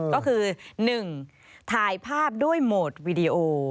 ก็คือ๑ถ่ายภาพด้วยโหมดวีดีโอ